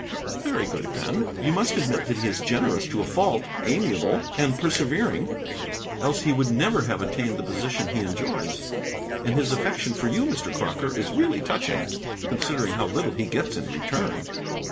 "Very good, then. You must admit that he is generous to a fault, amiable; and persevering, else he would never have attained the position he enjoys. And his affection for you, Mr. Crocker, is really touching, considering how little he gets in return."